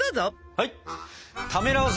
はい。